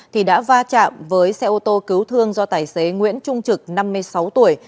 thì đã va chạm với xe ô tô cứu thương do tài xế nguyễn trung trực năm mươi sáu tuổi